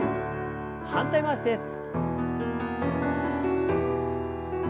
反対回しです。